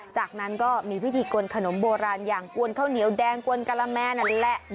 จากนั้นก็มีพิธีกวนขนมโบราณอย่างกวนข้าวเหนียวแดงกวนกะละแม่นั่นแหละ